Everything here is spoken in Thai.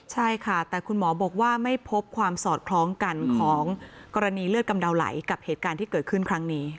ใช่ค่ะแต่คุณหมอบอกว่าไม่พบความสอดคล้องกันของกรณีเลือดกำเดาไหลกับเหตุการณ์ที่เกิดขึ้นครั้งนี้